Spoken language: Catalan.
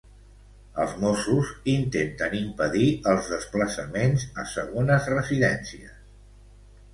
Els Mossos intenten impedir els desplaçaments a segones residències.